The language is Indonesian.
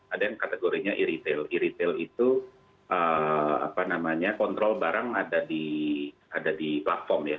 ada yang kategorinya e retail e retail itu kontrol barang ada di platform ya